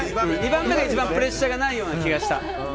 ２番目がプレッシャーがないような気がした。